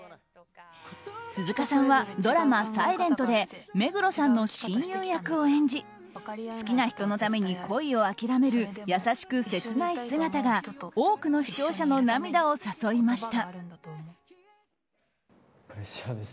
鈴鹿さんはドラマ「ｓｉｌｅｎｔ」で目黒さんの親友役を演じ好きな人のために恋を諦める優しく切ない姿が多くの視聴者の涙を誘いました。